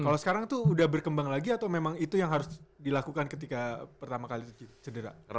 kalau sekarang tuh udah berkembang lagi atau memang itu yang harus dilakukan ketika pertama kali cedera